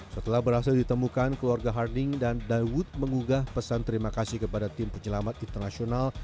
setelah berhasil ditemukan keluarga harding dan daiwood mengugah pesan terima kasih kepada tim penyelamat internasional